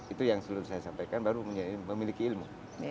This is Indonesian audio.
itu yang selalu saya sampaikan baru memiliki ilmu